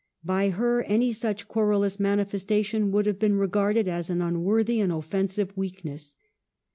By her any such querulous manifestation would have been re garded as an unworthy and offensive weakness."